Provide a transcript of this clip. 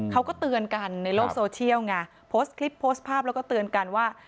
เขาก็เตือนกันในโลกโซเชียลไงโพสต์คลิปโพสต์ภาพแล้วก็เตือนกันว่า